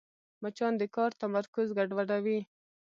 مچان د کار تمرکز ګډوډوي